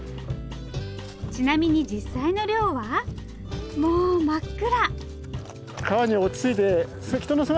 ちなみに実際の漁はもう真っ暗！